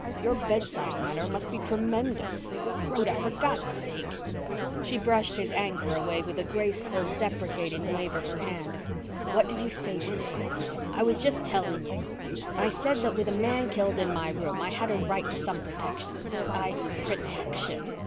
Your bedside manner must be tremendous." "Rhoda! For God's sake!" She brushed his anger away with a graceful, deprecating wave of her hand. "What did you say to him?" "I was just telling you. I said that with a man killed in my room I had a right to some protection. I " "Protection!